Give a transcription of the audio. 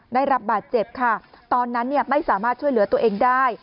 ได้รับบาดเจ็บค่ะตอนนั้นไม่สามารถช่วยเหลือตัวเองได้